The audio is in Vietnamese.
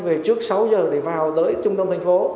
về trước sáu giờ để vào tới trung đông thành phố